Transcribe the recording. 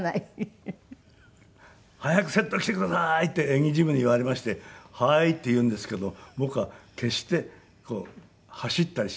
「早くセット来てください」って演技事務に言われまして「はい」って言うんですけど僕は決して走ったりしなかったんです。